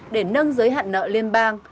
để nâng giới hạn nợ liên bang